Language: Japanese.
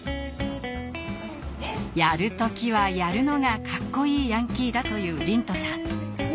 「やるときはやる」のがかっこいいヤンキーだという龍翔さん。